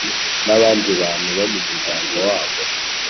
n’abandi bantu bo mu muryango wabo